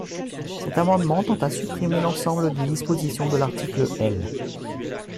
Cet amendement tend à supprimer l’ensemble des dispositions de l’article L.